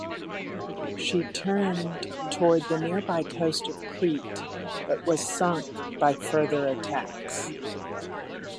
She turned towards the nearby coast of Crete, but was sunk by further attacks.